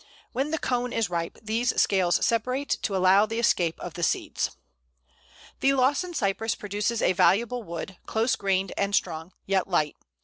When the "cone" is ripe these scales separate, to allow the escape of the seeds. The Lawson Cypress produces a valuable wood, close grained and strong, yet light.